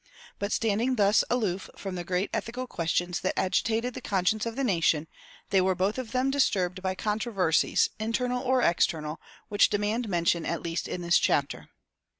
But standing thus aloof from the great ethical questions that agitated the conscience of the nation, they were both of them disturbed by controversies internal or external, which demand mention at least in this chapter.